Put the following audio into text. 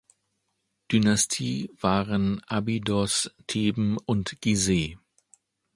Dynastie waren Abydos, Theben und Gizeh.